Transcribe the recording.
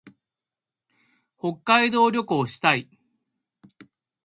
北海道旅行したい。